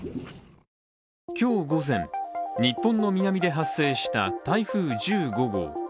今日午前、日本の南で発生した台風１５号。